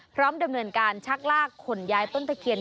พร้อมดำเนินการชักลากขนย้ายต้นตะเคียน